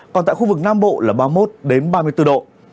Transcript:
còn tại khu vực nam bộ là ba mươi một ba mươi bốn độ